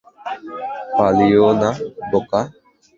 পালিও না, বোকা।